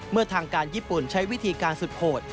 เมื่อทางการญี่ปุ่นใช้วิธีการสุดโหด